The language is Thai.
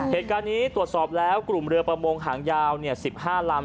เหตุการณ์นี้ตรวจสอบแล้วกลุ่มเรือประมงหางยาว๑๕ลำ